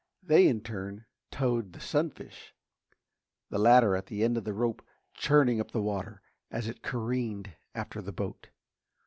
They in turn towed the sunfish, the latter at the end of the rope churning up the water as it careened after the boat.